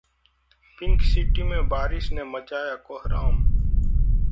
Pink City में बारिश ने मचाया कोहराम